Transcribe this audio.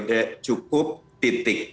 saya cukup dua periode cukup titik